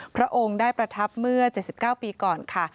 พระองค์ได้ประทับเมื่อ๗๙ปีก่อนค่ะ